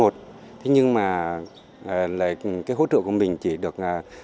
thế nhưng mà cái hỗ trợ của mình chỉ được